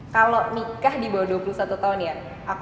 kalau nikah di bawah dua puluh satu tahun ya